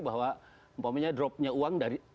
bahwa umpamanya dropnya uang dari